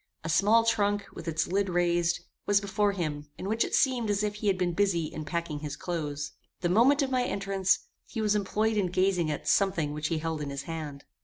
A small trunk, with its lid raised, was before him in which it seemed as if he had been busy in packing his clothes. The moment of my entrance, he was employed in gazing at something which he held in his hand.